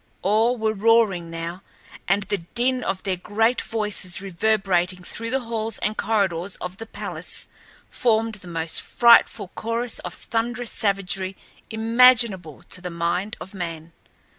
All were roaring now, and the din of their great voices reverberating through the halls and corridors of the palace formed the most frightful chorus of thunderous savagery imaginable to the mind of man.